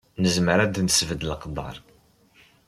Nezmer ad nesbedd leqder.